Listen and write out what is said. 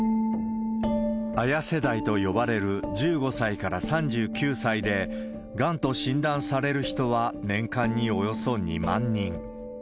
ＡＹＡ世代と呼ばれる１５歳から３９歳で、がんと診断される人は年間におよそ２万人。